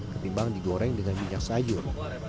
ketimbang digoreng dengan minyak sayur